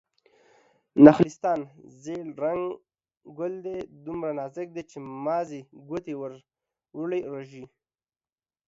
نخلستان: زيړ رنګه ګل دی، دومره نازک دی چې مازې ګوتې ور وړې رژيږي